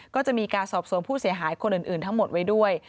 ก็จะมีการสอบสวนผู้เสียหายคนอื่นทั้งหมดไว้ด้วย